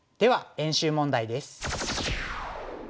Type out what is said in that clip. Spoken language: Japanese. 練習問題です。